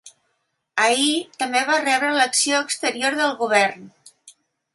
Ahir també va rebre l’acció exterior del govern.